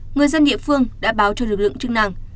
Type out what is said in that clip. người dân địa phương đã báo cho lực lượng chức năng